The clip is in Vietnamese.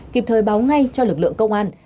kịp thời báo ngay cho lực lượng công an